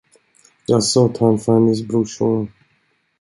Jaså tant Fannys brorson?